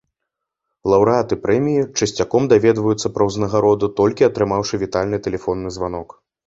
Лаўрэаты прэміі часцяком даведваюцца пра ўзнагароду толькі атрымаўшы вітальны тэлефонны званок.